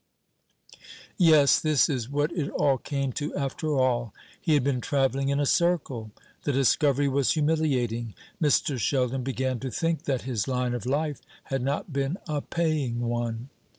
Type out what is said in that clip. Yes, this is what it all came to, after all. He had been travelling in a circle. The discovery was humiliating. Mr. Sheldon began to think that his line of life had not been a paying one.